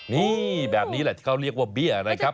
นี่แบบนี้แหละเขาเรียกว่าเบียร์เลยครับ